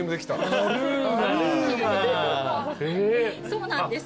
そうなんです。